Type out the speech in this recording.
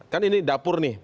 kan ini dapur nih